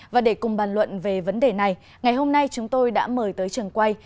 và để cùng bàn luận về vấn đề này ngày hôm nay chúng tôi đã mời tới trường quay